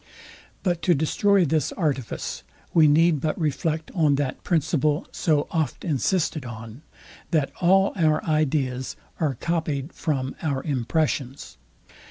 But to destroy this artifice, we need but reflect on that principle so oft insisted on, that all our ideas are copyed from our impressions.